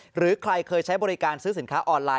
หรือใครเคยใช้บริการซื้อสินค้าออนไลน